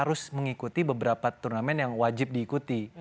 harus mengikuti beberapa turnamen yang wajib diikuti